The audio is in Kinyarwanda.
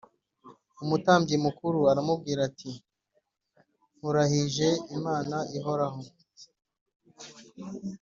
Umutambyi mukuru aramubwira ati “Nkurahirije Imana ihoraho